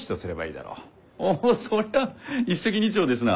おおそりゃあ一石二鳥ですな！